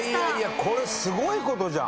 これ、すごい事じゃん。